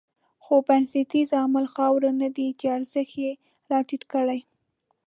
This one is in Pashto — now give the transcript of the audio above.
خو بنسټیز عامل خاوره نه ده چې ارزښت یې راټيټ کړی.